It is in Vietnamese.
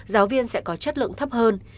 giáo viên sẽ có chất lượng thấp hơn